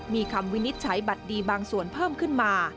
มีคำวินิจฉัยบัตรดีบางส่วนเพิ่มขึ้นมา